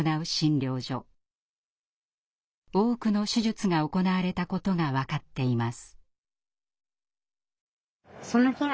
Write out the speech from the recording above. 多くの手術が行われたことが分かっています。